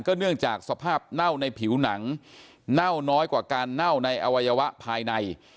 เนื่องจากสภาพเน่าในผิวหนังเน่าน้อยกว่าการเน่าในอวัยวะภายใน